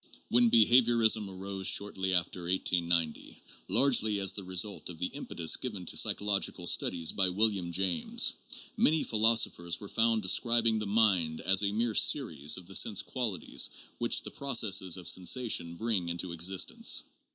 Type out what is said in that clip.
When behaviorism arose shortly after 1890, largely as the result of the impetus given to psychological studies by William James, many philosophers were found describing the mind as a mere series of the sense qualities which the processes of sensation bring into exis tence.